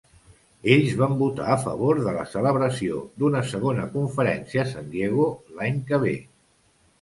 Ells van votar a favor de la celebració d'una segona conferència a San Diego l'any que ve.